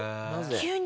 急に。